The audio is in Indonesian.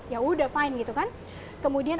ya udah fine gitu kan kemudian